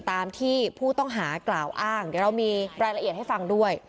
ตามที่ผู้ต้องหากล่าวอ้างเดี๋ยวเรามีรายละเอียดให้ฟังด้วย